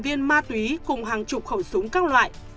ba mươi sáu viên ma túy cùng hàng chục khẩu súng các loại